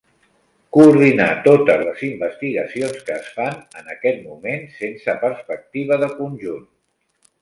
Coordinar totes les investigacions que es fan en aquest moment sense perspectiva de conjunt.